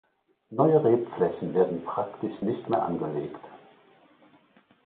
Neue Rebflächen werden praktisch nicht mehr angelegt.